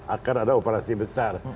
akan ada operasi besar